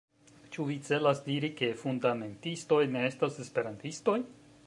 Ĉu vi celas diri, ke fundamentistoj ne estas Esperantistoj?